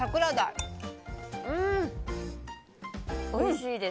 おいしいです。